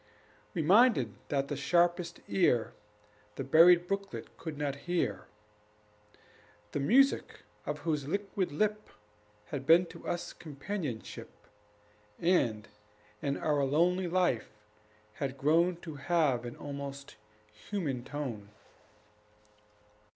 We minded that the sharpest ear The buried brooklet could not hear, The music of whose liquid lip Had been to us companionship, And, in our lonely life, had grown To have an almost human tone.